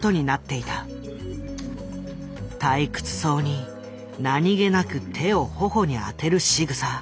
退屈そうに何気なく手を頬に当てるしぐさ。